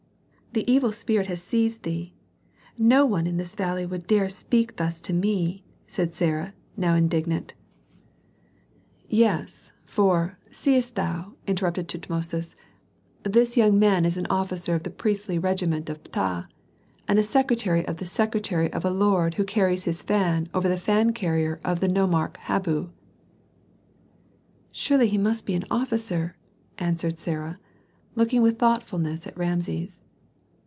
"The evil spirit has seized thee; no one in this valley would dare to speak thus to me," said Sarah, now indignant. "Yes; for, seest thou," interrupted Tutmosis, "this young man is an officer of the priestly regiment of Ptah, and a secretary of the secretary of a lord who carries his fan over the fan carrier of the nomarch of Habu." "Surely he must be an officer," answered Sarah, looking with thoughtfulness at Rameses.